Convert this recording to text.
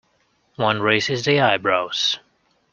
One raises the eyebrows.